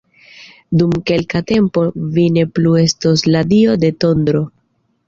Dum kelka tempo vi ne plu estos la Dio de Tondro!